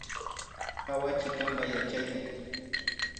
Hawayachi kanpa yachayta